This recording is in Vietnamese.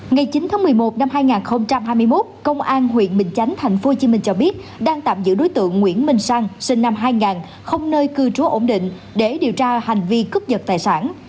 ngày chín tháng một mươi một năm hai nghìn hai mươi một công an huyện bình chánh thành phố hồ chí minh cho biết đang tạm giữ đối tượng nguyễn minh sang sinh năm hai nghìn không nơi cư trú ổn định để điều tra về hành vi cướp giật tài sản